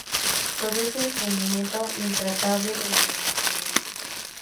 Produce estreñimiento intratable desde el nacimiento.